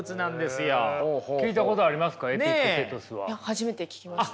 初めて聞きました。